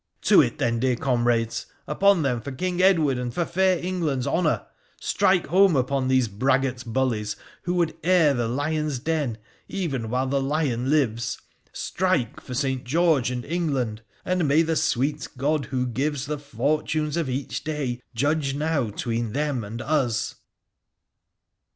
To it, then, dear comrades — upon them, for King Edward and for fair England's honour ! Strike home upon these braggart bullies who would heir the lion's den even while the lion lives ; strike for St. George and England ! And may the sweet God who gives the fortunes of each day judge now 'tween them and us